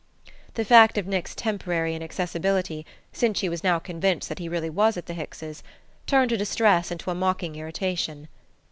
The fact of Nick's temporary inaccessibility since she was now convinced that he was really at the Hickses' turned her distress to a mocking irritation.